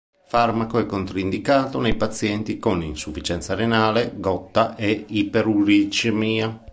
Il farmaco è controindicato nei pazienti con insufficienza renale, gotta e iperuricemia.